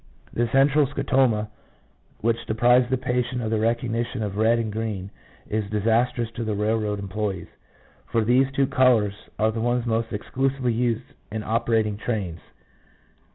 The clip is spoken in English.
This central scotoma, which deprives the patient of the recognition of red and green, is disastrous to the railroad employees, for these two colours are the ones most exclusively used in opera ting trains.